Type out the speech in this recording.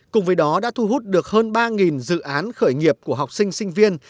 cùng với đó đã thu hút được hơn ba dự án khởi nghiệp của học sinh sinh viên